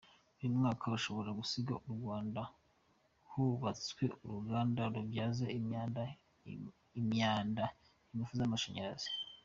Uyu mwaka ushobora gusiga mu Rwanda hubatswe uruganda rubyaza imyanda ingufu z’amashanyarazi.